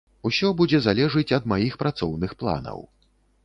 Усё будзе залежыць ад маіх працоўных планаў.